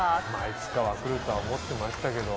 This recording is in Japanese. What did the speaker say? いつかは来るとは思ってましたけど。